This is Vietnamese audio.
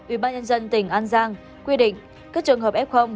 ủy ban nhân dân tỉnh an giang quy định các trường hợp f